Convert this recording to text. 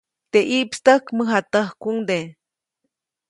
Teʼ ʼiʼpstäjk, mäjatäjkuŋde.